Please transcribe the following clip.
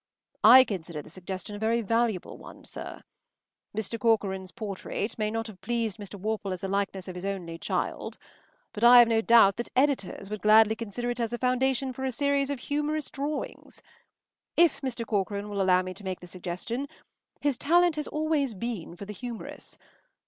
I consider the suggestion a very valuable one, sir. Mr. Corcoran’s portrait may not have pleased Mr. Worple as a likeness of his only child, but I have no doubt that editors would gladly consider it as a foundation for a series of humorous drawings. If Mr. Corcoran will allow me to make the suggestion, his talent has always been for the humorous.